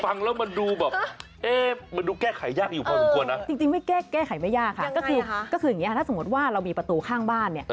ฟังแล้วมันดูแบบเอ๊ะมันดูแก้ไขยากอยู่พอสมควรนะจริงไม่แก้ไขไม่ยากค่ะก็คืออย่างนี้ถ้าสมมุติว่าเรามีประตูข้างบ้านเนี่ย